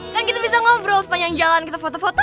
kan kita bisa ngobrol sepanjang jalan kita foto foto